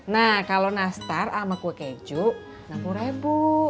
nah kalau nastar sama kue keju rp enam puluh